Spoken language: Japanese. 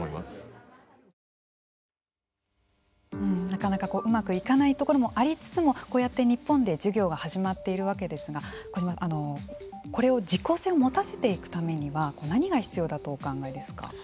なかなかうまくいかないところもありつつもこうやって日本で授業が始まっているわけですが小島さん、これを実効性を持たせていくためには何が必要だとお考えですか。